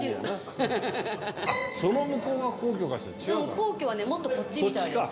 皇居はねもっとこっちみたいです。